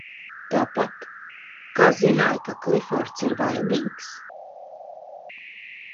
Tāpat, kā zināji, ka Klifords ir vainīgs?